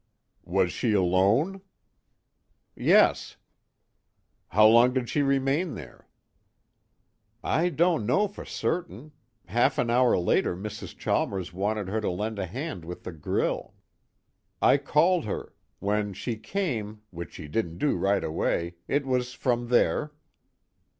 "Was she alone?" "Yes." "How long did she remain there?" "I don't know for certain. Half an hour later Mrs. Chalmers wanted her to lend a hand with the grill. I called her. When she came which she didn't right away it was from there."